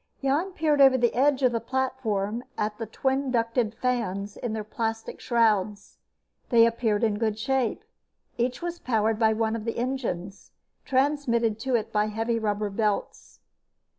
Jan peered over the edge of the platform at the twin ducted fans in their plastic shrouds. They appeared in good shape. Each was powered by one of the engines, transmitted to it by heavy rubber belts.